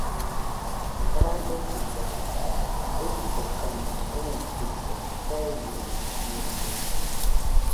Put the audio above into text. Radosillaɨ dɨkokana uitɨkue, feireñellena.